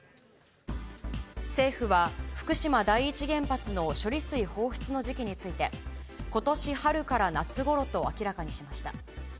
政府は、福島第一原発の処理水放出の時期について、ことし春から夏ごろと明らかにしました。